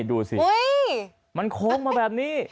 โอ๊ยมันคโค้กมาแบบนี้